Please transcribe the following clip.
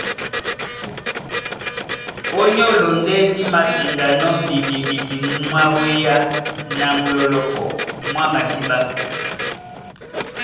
Ó nyólo ndé dí māseŋganɔ́ mbidimbidi mwá wéá na mulɔlɔkɔ mwá madíɓá.